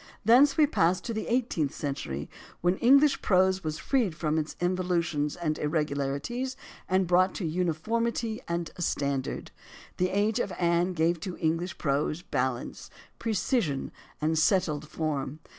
Thence we pass to the eighteenth century, when English prose was freed from its involutions and ir regularities and brought to uniformity and to a stand ard. The age of Anne gave to English prose balance, precision, and settled form.